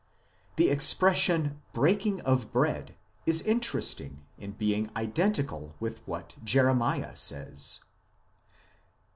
The expres sion "breaking of bread" is interesting as being identical with what Jeremiah says.